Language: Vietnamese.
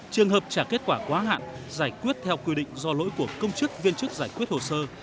trường hợp trả kết quả quá hạn giải quyết theo quy định do lỗi của công chức viên chức giải quyết hồ sơ